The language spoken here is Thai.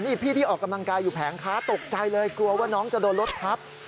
นี่พี่ที่ออกกำลังกายอยู่แผงค้าตกใจเลยกลัวว่าน้องจะโดนรถทับ